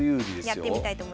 やってみたいと思います。